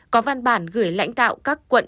có văn bản gửi lãnh tạo các quận